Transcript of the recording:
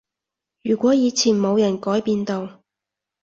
如果以前冇人改變到